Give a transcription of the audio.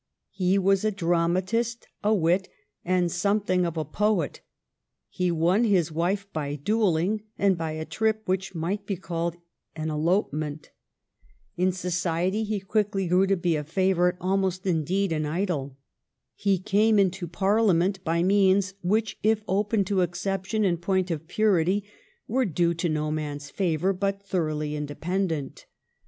He was a dramatist, a wit, and something of a poet. He won his wife by duelling and by a trip which might be called an elopement. In society he 2D 402 THE STORY OF GLADSTONE'S LIFE quickly grew to be a favorite, almost, indeed, an idol. He came into Parliament by means which, if open to exception in point of purity, ^ were due to no man s favor, but thoroughly independent.